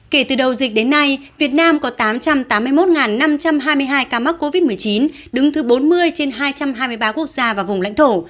kể từ đầu dịch đến nay việt nam có tám trăm tám mươi một năm trăm hai mươi hai ca mắc covid một mươi chín đứng thứ bốn mươi trên hai trăm hai mươi ba quốc gia và vùng lãnh thổ